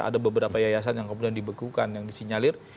ada beberapa yayasan yang kemudian dibekukan yang disinyalir